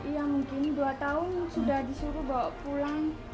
ya mungkin dua tahun sudah disuruh bawa pulang